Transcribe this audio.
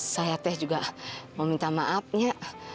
saya teh juga mau minta maafnya